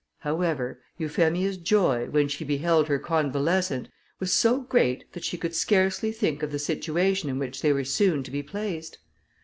However, Euphemia's joy, when she beheld her convalescent, was so great, that she could scarcely think of the situation in which they were soon to be placed.